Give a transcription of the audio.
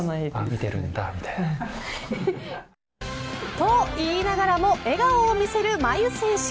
と言いながらも笑顔を見せる真佑選手。